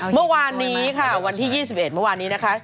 เมื่อวานนี้ค่ะวันที่๒๑เมื่อวานนี้นะคะ